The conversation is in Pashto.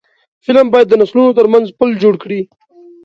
فلم باید د نسلونو ترمنځ پل جوړ کړي